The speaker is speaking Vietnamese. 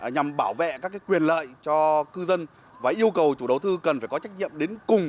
nhằm bảo vệ các quyền lợi cho cư dân và yêu cầu chủ đầu tư cần phải có trách nhiệm đến cùng